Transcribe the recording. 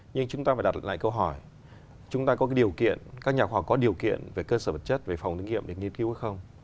nhưng chúng ta phải đặt lại câu hỏi chúng ta có điều kiện các nhà học khoa học có điều kiện về cơ sở vật chất về phòng thử nghiệm để nghiên cứu hay không